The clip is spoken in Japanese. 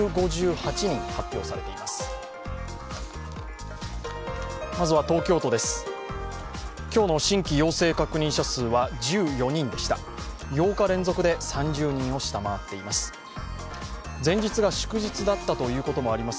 ８日連続で３０人を下回っています。